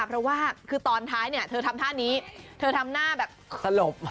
เพราะว่าคือตอนท้ายเนี่ยเธอทำนะแบ